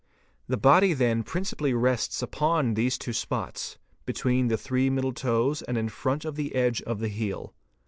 The body then principally rests upon these two } spots, behind the three middle toes and in front of the edge of the heel.